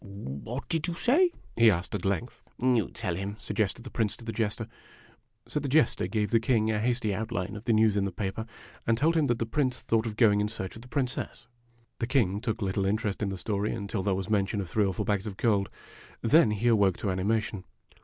" What did you say ?" he asked, at length. " You tell him,' suo ^ested the Prince to the Tester. <_><_> J So the Jester gave the King a hasty outline of the news in the paper, and told him that the Prince thought of going in search of the Princess. The King took little interest in the story until there was mention of the three or four bags of gold. Then he awoke to animation.